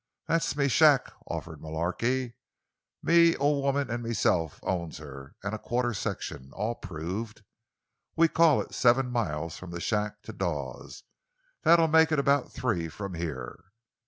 "That's me shack," offered Mullarky. "Me ol' woman an' meself owns her—an' a quarter section—all proved. We call it seven miles from the shack to Dawes. That'd make it about three from here."